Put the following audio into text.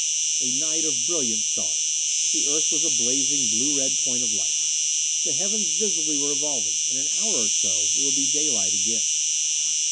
A night of brilliant stars; the Earth was a blazing blue red point of light. The heavens visibly were revolving; in an hour or so it would be daylight again.